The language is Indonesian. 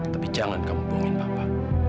tapi jangan kamu bohongin papa